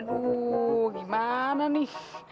aduh gimana nih